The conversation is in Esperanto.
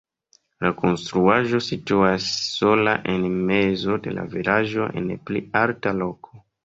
La konstruaĵo situas sola en mezo de la vilaĝo en pli alta loko.